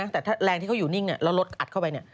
แต่ถ้าแรงที่เขาอยู่นิ่งแล้วรถอัดเข้าไป